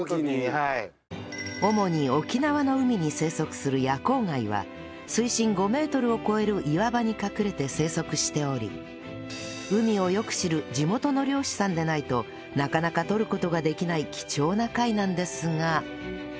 主に沖縄の海に生息するヤコウガイは水深５メートルを超える岩場に隠れて生息しており海をよく知る地元の漁師さんでないとなかなか採る事ができない貴重な貝なんですが